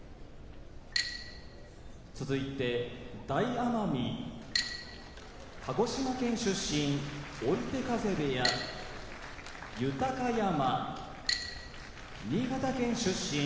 大奄美鹿児島県出身追手風部屋豊山新潟県出身